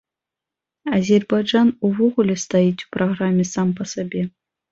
Азербайджан увогуле стаіць у праграме сам па сабе.